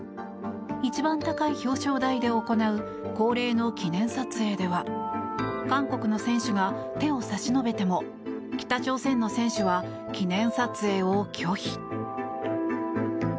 一番高い表彰台で行う恒例の記念撮影では韓国の選手が手を差し伸べても北朝鮮の選手は記念撮影を拒否。